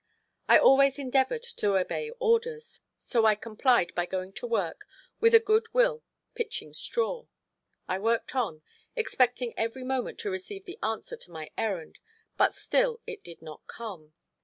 I always endeavored to obey orders, so I complied by going to work with a good will pitching straw. I worked on, expecting every moment to receive the answer to my errand, but still it did not come.